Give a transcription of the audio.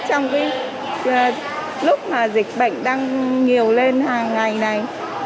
trong lúc mà dịch bệnh đang nhiều lên hàng ngày này